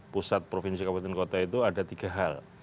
pusat provinsi kabupaten kota itu ada tiga hal